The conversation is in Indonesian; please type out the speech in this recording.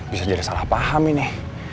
bisa jadi salah paham ini